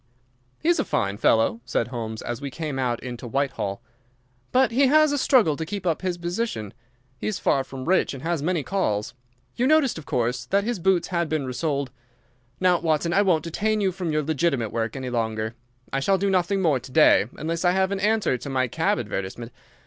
"He's a fine fellow," said Holmes, as we came out into Whitehall. "But he has a struggle to keep up his position. He is far from rich and has many calls. You noticed, of course, that his boots had been resoled. Now, Watson, I won't detain you from your legitimate work any longer. I shall do nothing more to day, unless I have an answer to my cab advertisement.